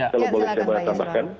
kalau boleh saya tambahkan